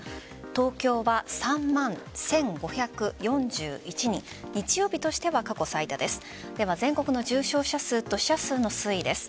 東京は３万１５４１人日曜日としては過去最多です。